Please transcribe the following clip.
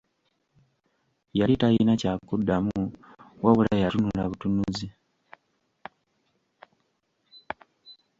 Yali talina kyakuddamu wabula yatunula butunuzi!